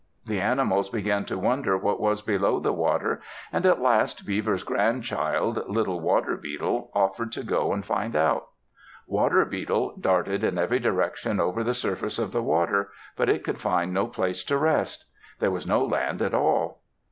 The animals began to wonder what was below the water and at last Beaver's grandchild, little Water Beetle, offered to go and find out. Water Beetle darted in every direction over the surface of the water, but it could find no place to rest. There was no land at all.